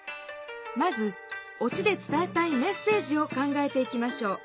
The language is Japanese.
まず「落ち」で伝えたいメッセージを考えていきましょう。